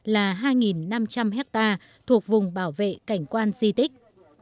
là hai năm trăm linh hectare thuộc vùng bảo vệ cảnh quan di tích